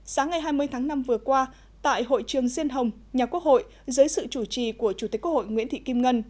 sáng ngày hai mươi tháng năm vừa qua tại hội trường diên hồng nhà quốc hội dưới sự chủ trì của chủ tịch quốc hội nguyễn thị kim ngân